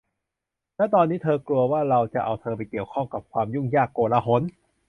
และตอนนี้เธอกลัวว่าเราจะเอาเธอไปเกี่ยวข้องด้วยกับความยุ่งยากโกลาหล